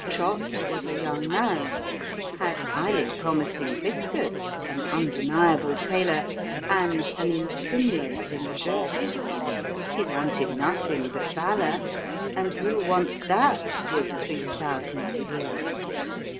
Trott was a young man, had highly promising whiskers, an undeniable tailor, and an insinuating address he wanted nothing but valour, and who wants that with three thousand a year